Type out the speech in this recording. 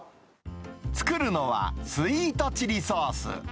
作るのはスイートチリソース。